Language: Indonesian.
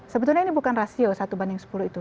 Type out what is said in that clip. sebetulnya ini bukan rasio satu banding sepuluh itu